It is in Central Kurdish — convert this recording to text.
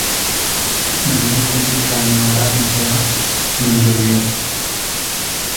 من نە گوندی کانیمارانم هەیە، نە میلیونێرم